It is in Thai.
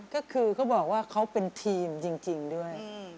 ก็คือเขาบอกว่าเขาเป็นทีมจริงด้วย